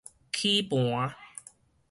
齒盤